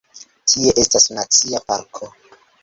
Tie estas nacia parko.